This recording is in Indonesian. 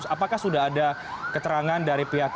apakah sudah ada keterangan dari pihak